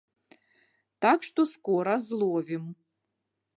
Так што скора зловім.